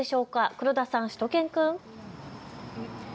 黒田さん、しゅと犬くん。